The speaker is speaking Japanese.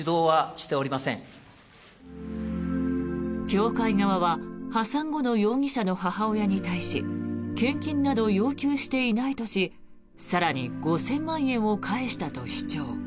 教会側は破産後の容疑者の母親に対し献金など要求していないとし更に５０００万円を返したと主張。